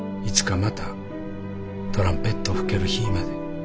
いつかまたトランペット吹ける日ぃまで。